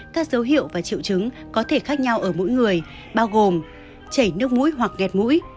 các dấu hiệu và triệu chứng có thể khác nhau ở mỗi người bao gồm chảy nước mũi hoặc gẹt mũi